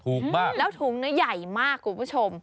มากแล้วถุงนี้ใหญ่มากคุณผู้ชม